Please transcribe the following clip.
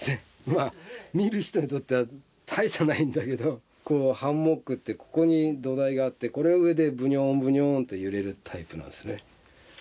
まあ見る人にとっては大差ないんだけどハンモックってここに土台があってこれ上でぶにょんぶにょんって揺れるタイプなんですね。